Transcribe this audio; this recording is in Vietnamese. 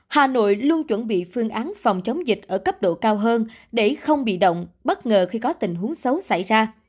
hà nội luôn chuẩn bị phương án phòng chống dịch ở cấp độ cao hơn để không bị động bất ngờ khi có tình huống xấu xảy ra